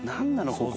ここ。